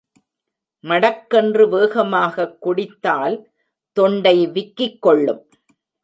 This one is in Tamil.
மடக்கென்று வேகமாகக் குடித்தால் தொண்டை விக்கிக் கொள்ளும்.